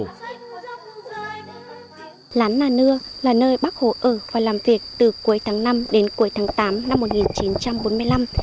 lán nà nưa là nơi bác hồ ở và làm việc từ cuối tháng năm đến cuối tháng tám năm một nghìn chín trăm bốn mươi năm